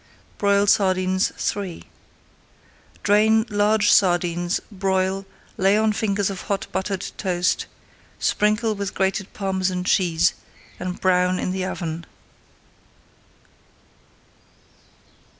BROILED SARDINES III Drain large sardines, broil, lay on fingers of hot buttered toast, sprinkle with grated Parmesan cheese, and brown in the oven.